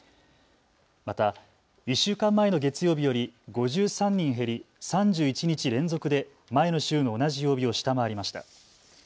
また１週間前の月曜日より５３人減り３１日連続で前の週の同じ曜日を下回りました。